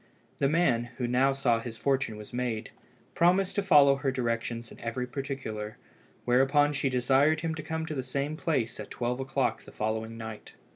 The man, who now saw that his fortune was made, promised to follow her directions in every particular, whereupon she desired him to come to the same place at twelve o'clock the following night.